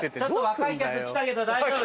若い客来たけど大丈夫？